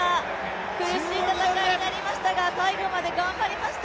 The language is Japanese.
苦しい戦いになりましたが最後まで頑張りました。